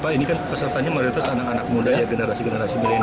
pak ini kan pesertanya mayoritas anak anak muda ya generasi generasi milenial